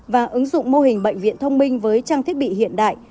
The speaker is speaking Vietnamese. và ứng dụng mô hình bệnh viện thông minh với trang thiết bị hiện đại